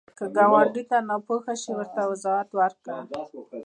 که ګاونډي ته ناپوهه شي، ورته وضاحت ورکړه